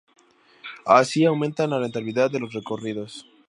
Así aumentan la rentabilidad de los recorridos.